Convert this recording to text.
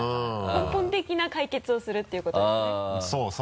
根本的な解決をするっていうことですね？